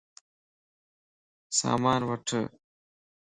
سامان وٺ